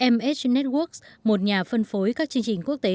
mst networks một nhà phân phối các chương trình quốc tế